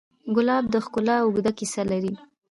ګلاب د ښکلا اوږده کیسه لري.